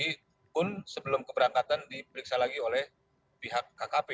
tanah suci pun sebelum keberangkatan diperiksa lagi oleh pihak kkp